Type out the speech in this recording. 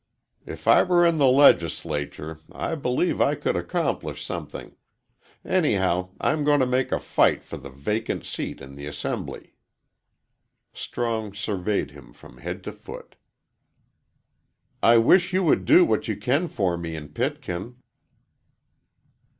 "If I were in the Legislature, I believe I could accomplish something. Anyhow, I am going to make a fight for the vacant seat in the Assembly." Strong surveyed him from head to foot. "I wish you would do what you can for me in Pitkin."